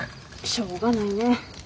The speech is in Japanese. しょうがないね。